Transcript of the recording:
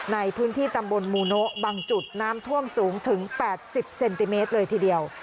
ในพื้นที่ตำบลมูโนะบางจุดน้ำท่วมสูงถึง๘๐เซนติเมตรเลยทีเดียว